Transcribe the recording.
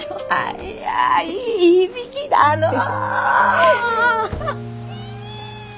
あやーいい響きだのう。